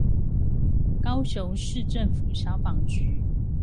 高雄市政府消防局